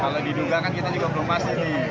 kalau diduga kan kita juga belum pasti nih